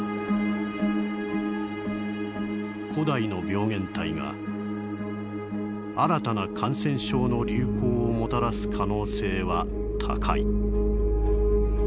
「古代の病原体が新たな感染症の流行をもたらす可能性は高い」。